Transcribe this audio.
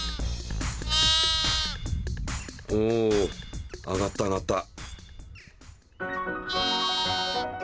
お上がった上がった！